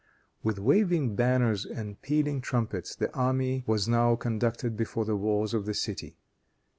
With waving banners and pealing trumpets, the army was now conducted before the walls of the city.